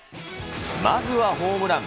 まずはホームラン。